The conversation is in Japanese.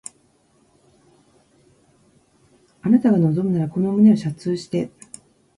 あなたが望むならこの胸を射通して